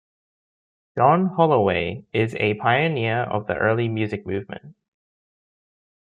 John Holloway is a pioneer of the early music movement.